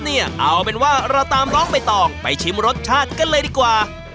เอาเป็นว่าเราตามน้องใบตองไปชิมรสชาติกันเลยดีกว่า